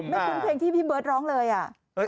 ไม่คุ้มเพลงที่พี่เบิร์ทร้องเลย